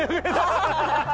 ハハハハ！